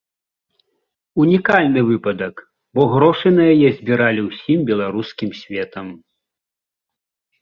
Унікальны выпадак, бо грошы на яе збіралі ўсім беларускім светам.